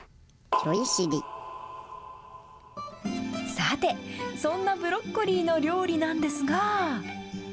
さて、そんなブロッコリーの料理なんですが。